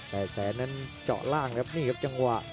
แต่แสนนั้นเจาะล่างครับนี่ครับจังหวะ